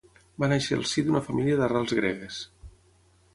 Va nàixer al si d'una família d'arrels gregues.